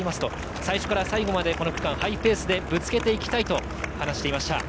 最初から最後までハイペースでぶつけていきたいと話していました。